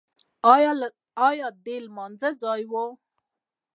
ایا د لمانځه ځای و؟